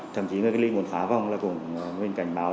thậm chí người cất ly muốn khóa vòng là mình cảnh báo